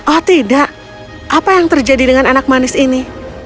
oh tidak apa yang terjadi dengan anak manis ini